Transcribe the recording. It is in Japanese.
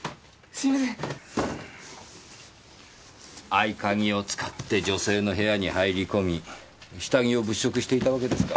合鍵を使って女性の部屋に入り込み下着を物色していたわけですか。